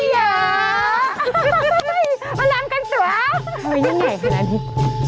มาล้ำกันสวมเอ้ยยังไหนพอแล้วนี่